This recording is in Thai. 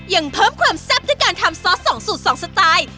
ยังเพิ่มความแซ่บด้วยการทำซอส๒สูตร๒สไตล์